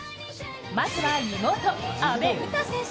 まずは、妹・阿部詩選手。